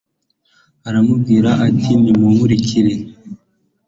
arababwira ati nimunkurikire